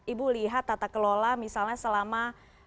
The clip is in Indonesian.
ibu lihat tata kelola misalnya selama